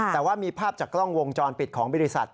แต่ว่ามีภาพจากกล้องวงจรปิดของบริษัท